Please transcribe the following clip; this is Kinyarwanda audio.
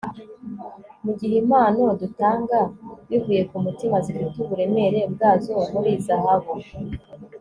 mugihe impano dutanga bivuye kumutima zifite uburemere bwazo muri zahabu